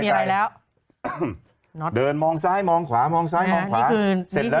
โหยวายโหยวายโหยวายโหยวายโหยวายโหยวายโหยวาย